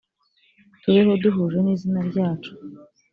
tubeho duhuje n izina ryacu